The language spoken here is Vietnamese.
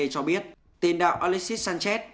cho biết tiền đạo alexis sanchez